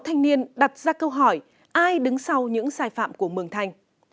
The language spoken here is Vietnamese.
một anh niên đặt ra câu hỏi ai đứng sau những sai phạm của mường thanh